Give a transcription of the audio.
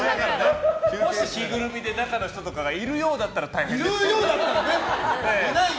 もし着ぐるみで、中の人がいるようだったらね。